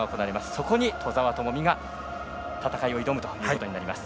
そこに兎澤朋美が戦いを挑むことになります。